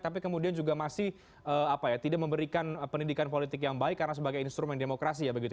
tapi kemudian juga masih tidak memberikan pendidikan politik yang baik karena sebagai instrumen demokrasi ya begitu